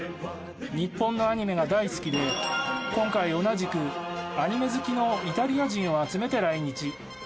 日本のアニメが大好きで今回、同じくアニメ好きのイタリア人を集めて来日。